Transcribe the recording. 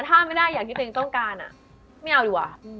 ตอนนี้ต้องการอะไม่เอาดีกว่า